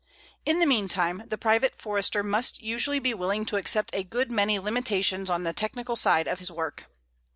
In the meantime, the private Forester must usually be willing to accept a good many limitations on the technical side of his work.